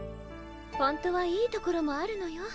本当はいいところもあるのよ